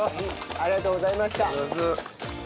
ありがとうございます。